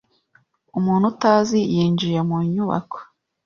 Umuntu utazi yinjiye mu nyubako.